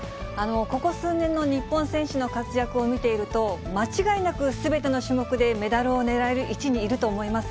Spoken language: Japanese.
ここ数年の日本選手の活躍を見ていると、間違いなくすべての種目でメダルを狙える位置にいると思います。